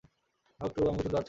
হক -two, আমাকে শুনতে পারছেন?